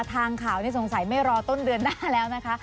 ทางข่าวนี้สงสัยไม่รอต้นเดือนหน้าแล้วนะคะ